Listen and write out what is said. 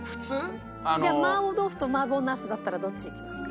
じゃあ麻婆豆腐と麻婆茄子だったらどっちいきますか？